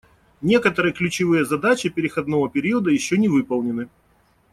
Некоторые ключевые задачи переходного периода еще не выполнены.